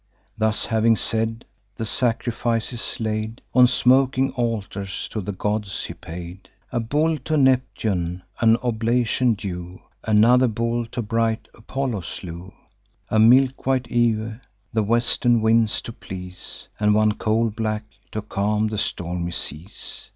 Thus having said, the sacrifices, laid On smoking altars, to the gods he paid: A bull, to Neptune an oblation due, Another bull to bright Apollo slew; A milk white ewe, the western winds to please, And one coal black, to calm the stormy seas.